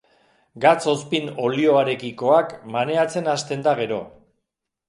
Gatz-ozpin-olioarekikoak maneatzen hasten da gero.